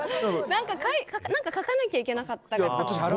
何か描かなきゃいけなかったから。